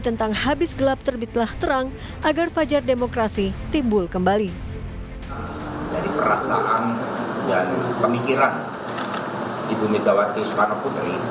tetapi setelah itu kami kita jalankan pada melibur panjang dalam rangka julfitri